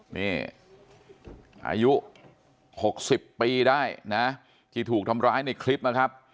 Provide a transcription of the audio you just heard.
นี่อายุ๖๐ปีได้นะที่ถูกทำร้ายในคลิปนะครับ